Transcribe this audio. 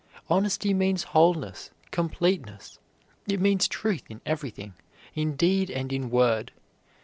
Honesty means wholeness, completeness; it means truth in everything in deed and in word.